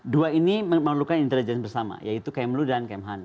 dua ini memerlukan intelijen bersama yaitu km lu dan km han